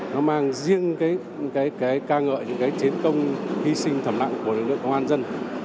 nó mang riêng cái ca ngợi những cái chiến công hy sinh thầm lặng của lực lượng công an dân